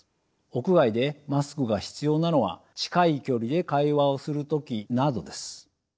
屋外でマスクが必要なのは近い距離で会話をする時などです。